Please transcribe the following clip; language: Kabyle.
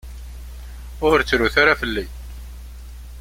Ur ttrut ara fell-i.